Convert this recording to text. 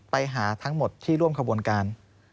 ไปหาทั้งหมดที่ร่วมขบวนการ